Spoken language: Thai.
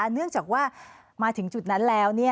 เนื่องจากว่ามาถึงจุดนั้นแล้ว